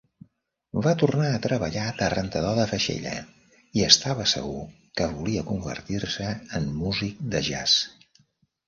Va tornar a treballar de rentador de vaixella, i estava segur que volia convertir-se en músic de jazz.